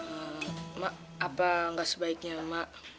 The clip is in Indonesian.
emak apa gak sebaiknya emak